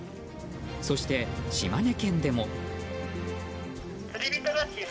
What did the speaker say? そして、島根県でも。